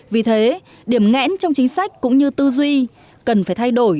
vì thế điểm ngẽn trong chính sách cũng như tư duy cần phải thay đổi